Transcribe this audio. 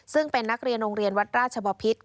ซึ่งเป็นนักเรียนโรงเรียนวัดราชบพิษ